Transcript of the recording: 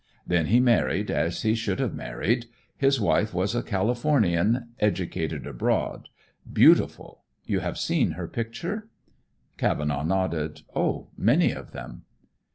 Then he married as he should have married. His wife was a Californian, educated abroad. Beautiful. You have seen her picture?" Cavenaugh nodded. "Oh, many of them."